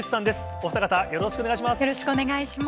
お二方、よろしくお願いします。